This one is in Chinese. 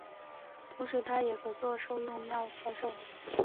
同时它也可作兽用药销售。